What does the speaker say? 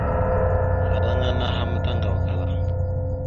Afalaŋana anaha ma taŋgawakala.